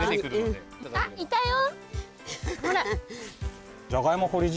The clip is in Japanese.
あっいたよ